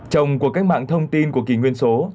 trong cuộc cách mạng thông tin của kỳ nguyên số